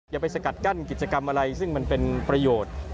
อย่าไปสกัดกั้นกิจกรรมอะไรซึ่งมันเป็นประโยชน์